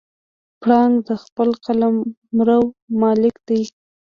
پړانګ د خپل قلمرو مالک دی.